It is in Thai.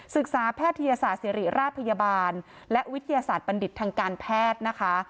แพทยศาสตร์ศิริราชพยาบาลและวิทยาศาสตร์บัณฑิตทางการแพทย์นะคะ